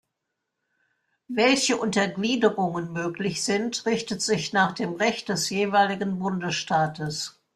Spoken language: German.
Welche Untergliederungen möglich sind, richtet sich nach dem Recht des jeweiligen Bundesstaates.